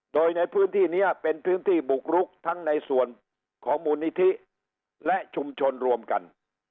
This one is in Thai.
โดยในพื้นที่นี้เป็นพื้นที่บุกรุกทั้งในส่วนของมูลนิธิและชุมชนรวมกัน